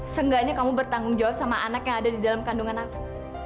seenggaknya kamu bertanggung jawab sama anak yang ada di dalam kandungan aku